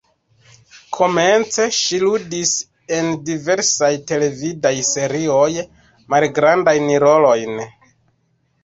Komence ŝi ludis en diversaj televidaj serioj, malgrandajn rolojn.